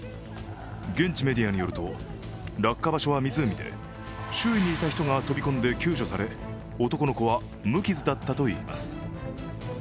現地メディアによると、落下場所は湖で周囲にいた人が飛び込んで救助され、男の子は無傷だったといいます